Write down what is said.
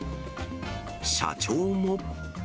社長も。